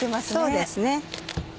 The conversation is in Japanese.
そうですね。